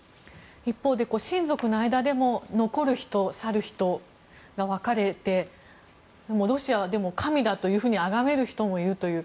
一方で親族の間でも残る人、去る人が分かれてロシアは神だというふうにあがめる人もいるという。